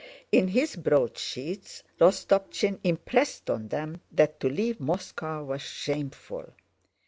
In his broadsheets Rostopchín impressed on them that to leave Moscow was shameful.